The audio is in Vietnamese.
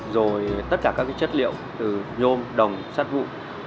rồi tất cả các chất liệu từ nhôm đồng sắt vụ